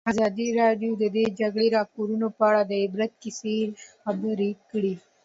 ازادي راډیو د د جګړې راپورونه په اړه د عبرت کیسې خبر کړي.